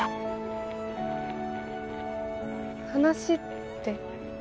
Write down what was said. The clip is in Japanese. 話って？